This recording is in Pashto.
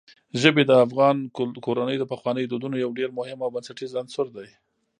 ژبې د افغان کورنیو د پخوانیو دودونو یو ډېر مهم او بنسټیز عنصر دی.